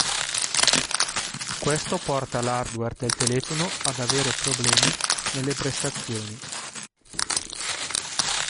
Questo porta l'hardware del telefono ad avere problemi nelle prestazioni.